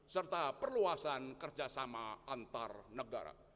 serta perluasan kerjasama antar negara